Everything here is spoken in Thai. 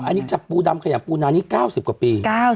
อันนี้จับปูดำขยะปูนานี้๙๐กว่าปี